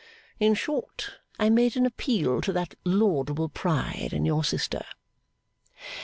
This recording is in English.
In short, I made an appeal to that laudable pride in your sister.